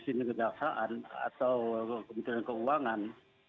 api di sini kedaksaan atau kementerian keuangan